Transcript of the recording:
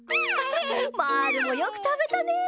まぁるもよくたべたね。